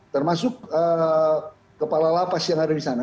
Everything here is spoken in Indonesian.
termasuk kepala lapas yang ada di sana